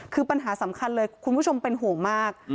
คือปัญหาสำคัญเลยคุณผู้ชมเป็นห่วงมาก